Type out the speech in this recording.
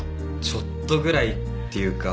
ちょっとぐらいっていうか。